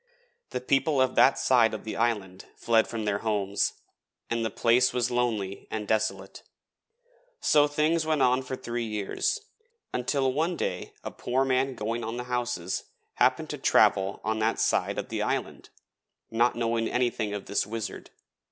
The people of that side of the island fled from their homes, and the place was lonely and desolate. So things went on for three years, until one day a poor man going on the houses happened to travel on that side of the island, not knowing anything of this Wizard.